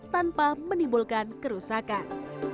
tanpa menimbulkan kerusakan